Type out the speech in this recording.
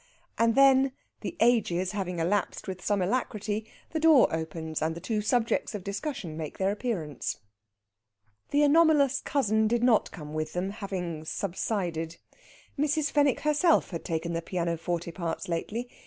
And then, the ages having elapsed with some alacrity, the door opens and the two subjects of discussion make their appearance. The anomalous cousin did not come with them, having subsided. Mrs. Fenwick herself had taken the pianoforte parts lately.